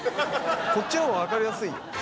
こっちの方が分かりやすいよ！